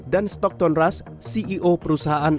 dan stockton rush ceo perusahaan